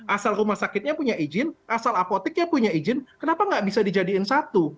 asal rumah sakitnya punya izin asal apoteknya punya izin kenapa nggak bisa dijadiin satu